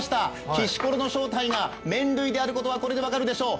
きしころの正体が、麺類であることは、これで分かるでしょう。